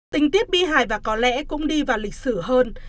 tình tiết bi hài và có lẽ cũng đi vào lịch sử hơn